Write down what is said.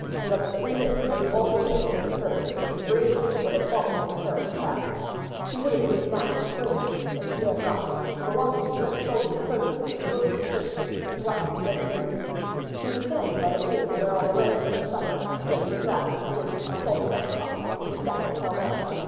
Another three minutes and the awful thing would have occurred: the brave eagle would have fallen in the ferret's trap! She would have moved now and screamed, but she dared not; for whilst she heard the soldiers approaching, she was looking at Percy and watching his every movement. He was standing by the table whereon the remnants of the supper, plates, glasses, spoons, salt and pepper pots were scattered pell mell.